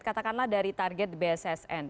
katakanlah dari target bssn